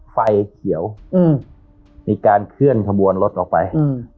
ไฟเขียวอืมมีการเคลื่อนขบวนรถออกไป